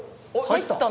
入った。